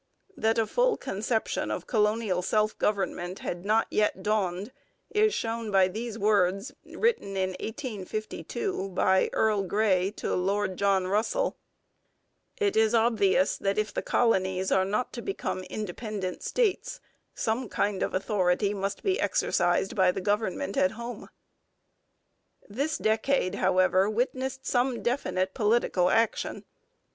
That a full conception of colonial self government had not yet dawned is shown by these words, written in 1852 by Earl Grey to Lord John Russell: '_It is obvious that if the colonies are not to become independent states, some kind of authority must be exercised by the Government at home._' This decade, however, witnessed some definite political action.